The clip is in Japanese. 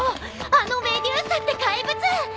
あのメデューサって怪物！